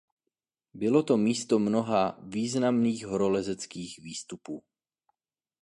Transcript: Bylo to místo mnoha významných horolezeckých výstupů.